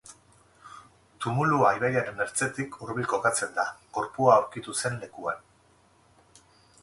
Tumulua ibaiaren ertzetik hurbil kokatzen da, gorpua aurkitu zen lekuan.